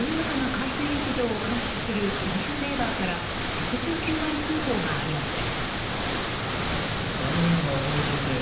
海水浴場を監視するライフセーバーから１１９番通報がありました。